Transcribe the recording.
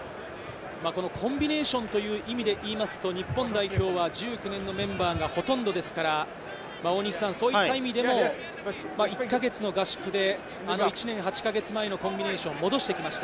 コンビネーションという意味でいいますと日本代表は１９年のメンバーがほとんどですから、そういった意味でも、１か月の合宿であと１年８か月前のコンビネーション、戻ってきました。